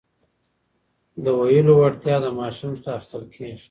د ویلو وړتیا له ماشوم څخه اخیستل کېږي.